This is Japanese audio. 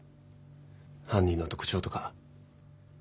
犯人の特徴とか。